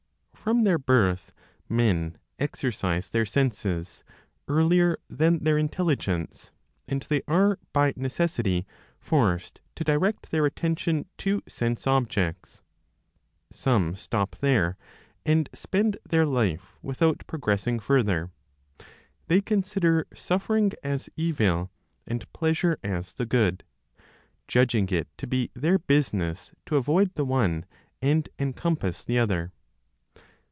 From their birth, men exercise their senses, earlier than their intelligence, and they are by necessity forced to direct their attention to sense objects. Some stop there, and spend their life without progressing further. They consider suffering as evil, and pleasure as the good, judging it to be their business to avoid the one and encompass the other.